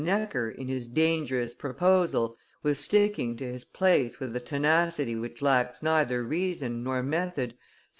Necker, in his dangerous proposal, was sticking to his place with a tenacity which lacks neither reason nor method," said M.